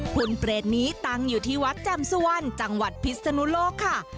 คุณเปรตนี้ตั้งอยู่ที่วัดแจ่มสุวรรณจังหวัดพิศนุโลกค่ะ